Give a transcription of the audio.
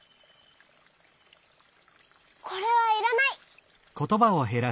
これはいらない。